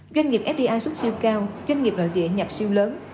doanh nghiệp fdi xuất siêu cao doanh nghiệp nội địa nhập siêu lớn